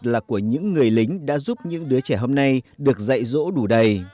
đặc biệt là của những người lính đã giúp những đứa trẻ hôm nay được dạy dỗ đủ đầy